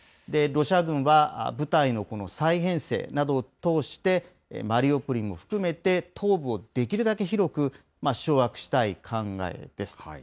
ロシア軍は部隊のこの再編成などを通して、マリウポリも含めて東部をできるだけ広く掌握したい考えです。